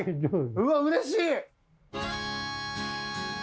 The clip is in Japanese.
うわうれしい！